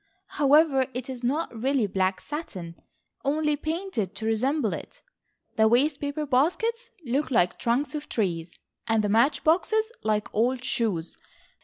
However it is not really black satin, only painted to resemble it. The waste paper baskets look like trunks of trees, and the match boxes like old shoes.